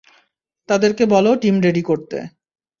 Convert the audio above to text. তাদেরকে বলো team ready করতে।